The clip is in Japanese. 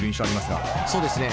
そうですね。